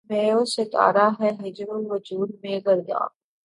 مہ و ستارہ ہیں بحر وجود میں گرداب